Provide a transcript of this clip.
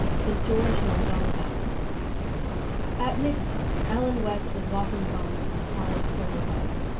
ST. GEORGE KNOWS ALL ABOUT IT At midnight Ellen West was walking home from the Pollock silver wedding.